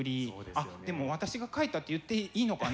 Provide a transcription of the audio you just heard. あっでも私が描いたって言っていいのかな？